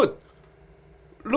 lo gak akan jadi pemain